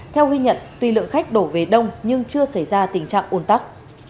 theo huy nhận tuy lượng khách đổ về đông nhưng chưa xảy ra tình trạng ôn tắc